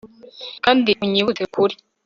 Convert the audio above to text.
Kandi unyibutse ukuri